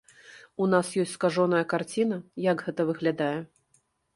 У нас ёсць скажоная карціна, як гэта выглядае.